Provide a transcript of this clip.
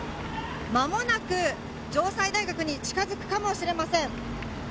まもなく城西大学に近づくかもしれません。